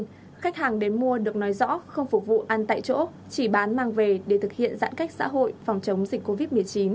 nhưng khách hàng đến mua được nói rõ không phục vụ ăn tại chỗ chỉ bán mang về để thực hiện giãn cách xã hội phòng chống dịch covid một mươi chín